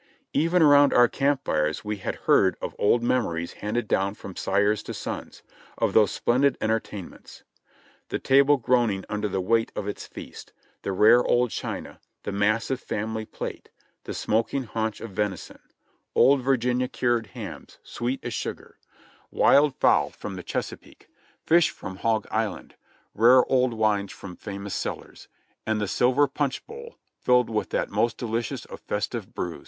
Even around our camp fires we had heard of old memories handed down from sires to sons, of those splendid entertainments; the table groaning under the weight of its feast; the rare old china; the massive family plate; the smoking haunch of venison; "old Virginia cured" hams, sweet as sugar; wild fowl from the Chesa 86 JOHNNY REB AND BILLY YANK peake ; fish from Hog Island ; rare old wines from famous cellars ; and the silver punch bowl filled with that most delicious of festive brews.